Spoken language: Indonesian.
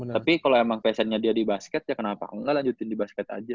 tapi kalau emang passionnya dia di basket ya kenapa enggak lanjutin di basket aja